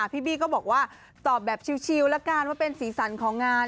พี่บี้ก็บอกว่าตอบแบบชิวแล้วกันว่าเป็นสีสันของงาน